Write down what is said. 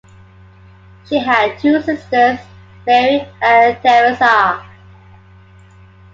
She had two sisters, Mary and Theresa.